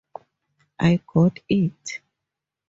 I got it!